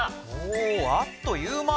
おあっという間。